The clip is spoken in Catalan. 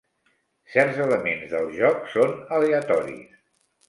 Certs elements del joc són aleatoris.